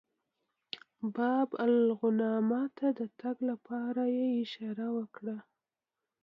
باب الغوانمه ته د تګ لپاره یې اشاره وکړه.